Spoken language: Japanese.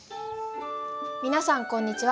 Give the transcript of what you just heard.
皆さんこんにちは。